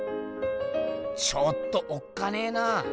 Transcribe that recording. ちょっとおっかねえなあ。